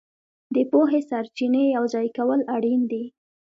د پوهې سرچینې یوځای کول اړین دي.